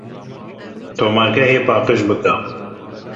Tomargehê paqij bike.